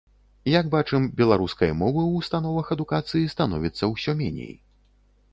Як бачым, беларускай мовы ў установах адукацыі становіцца ўсё меней.